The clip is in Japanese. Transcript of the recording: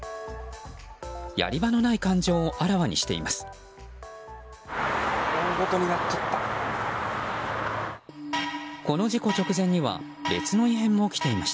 やり場のない感情をあらわにしています。